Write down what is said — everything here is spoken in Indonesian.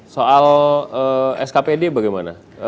soal skpd bagaimana